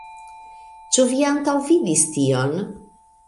Ĉu vi antaŭvidis tion?